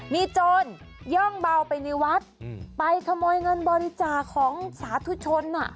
มีโจรย่องเบาไปในวัดไปขโมยเงินบริจาคของสาธุชน